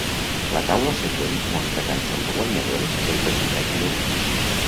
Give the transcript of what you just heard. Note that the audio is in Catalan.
La taula següent mostra cançons guanyadores pel percentatge de vots.